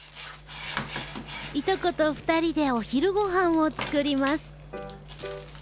いとこと２人でお昼ご飯を作ります。